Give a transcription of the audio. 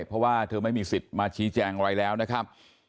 เพราะว่าเธอไม่มีสิทธิ์มาชี้แจงอะไรแล้วนะครับ